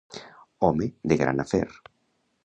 Home de gran afer.